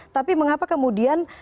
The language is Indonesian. tapi mengapa kemudian